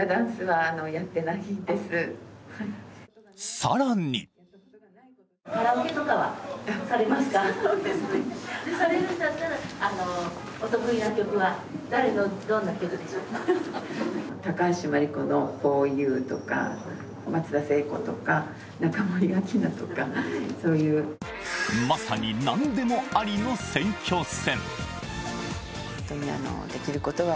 更にまさに何でもありの選挙戦。